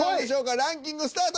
ランキングスタート。